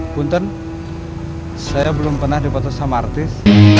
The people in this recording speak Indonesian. bunten saya belum pernah dipotong sama artis